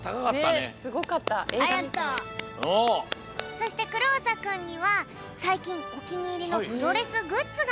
そしてクローサくんにはさいきんおきにいりのプロレスグッズがあるんだよね？